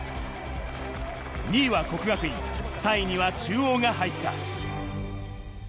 ２位は國學院、３位には中央が入った。